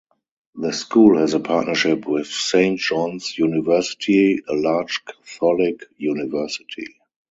The school has a partnership with Saint John's University, a large Catholic university.